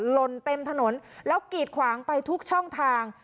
ลนเต็มถนนแล้วกีดขวางไปทุกช่องทาง